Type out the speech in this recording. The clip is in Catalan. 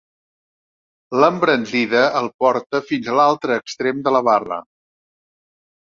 L'embranzida el porta fins a l'altre extrem de la barra.